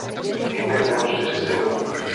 Hynek měl čtyři syny.